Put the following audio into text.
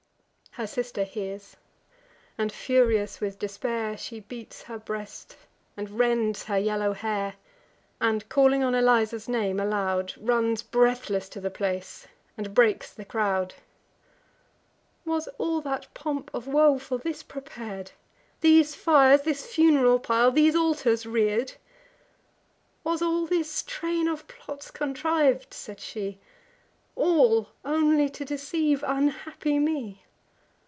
Her sister hears; and, furious with despair, She beats her breast, and rends her yellow hair, And, calling on Eliza's name aloud, Runs breathless to the place, and breaks the crowd. "Was all that pomp of woe for this prepar'd; These fires, this fun'ral pile, these altars rear'd? Was all this train of plots contriv'd," said she, "All only to deceive unhappy me?